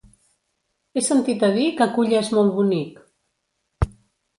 He sentit a dir que Culla és molt bonic.